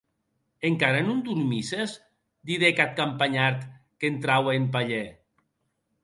Encara non dormisses?, didec ath campanhard qu'entraue en palhèr.